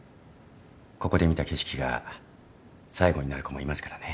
ここで見た景色が最後になる子もいますからね。